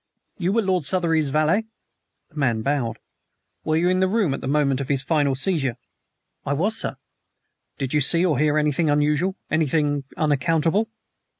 "You were Lord Southery's valet?" The man bowed. "Were you in the room at the moment of his fatal seizure?" "I was, sir." "Did you see or hear anything unusual anything unaccountable?"